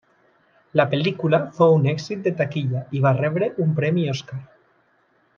La pel·lícula fou un èxit de taquilla i va rebre un premi Oscar.